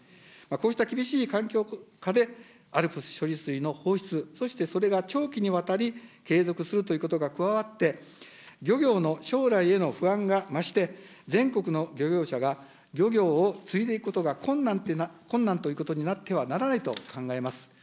こうした厳しい環境下で、ＡＬＰＳ処理水の放出、そしてそれが長期にわたり継続するということが加わって、漁業の将来への不安が増して、全国の漁業者が漁業を継いでいくことが困難ということになってはならないと考えます。